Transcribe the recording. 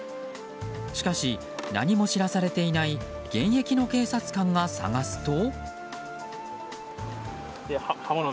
しかし、何も知らされていない現役の警察官が探すと。